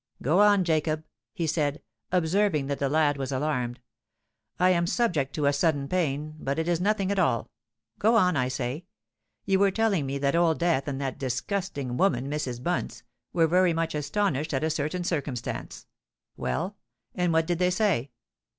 "Go on, Jacob," he said, observing that the lad was alarmed. "I am subject to a sudden pain——but it is nothing at all. Go on, I say. You were telling me that Old Death and that disgusting woman, Mrs. Bunce, were very much astonished at a certain circumstance. Well—and what did they say?"